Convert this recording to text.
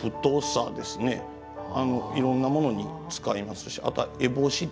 いろんなものに使いますしあとは烏帽子って。